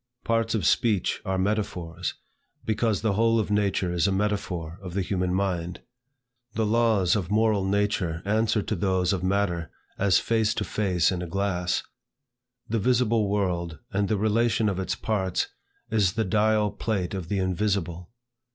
Parts of speech are metaphors, because the whole of nature is a metaphor of the human mind. The laws of moral nature answer to those of matter as face to face in a glass. "The visible world and the relation of its parts, is the dial plate of the invisible."